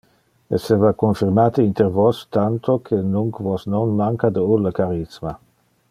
Esseva confirmate inter vos, tanto que nunc vos non manca de ulle charisma.